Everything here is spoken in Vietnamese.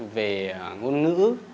về ngôn ngữ